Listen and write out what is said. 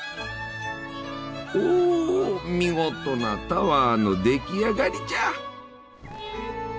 おお見事なタワーの出来上がりじゃ！